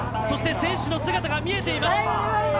選手の姿が見えています。